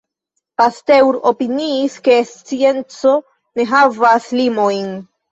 Pasteur opiniis ke scienco ne havas limojn.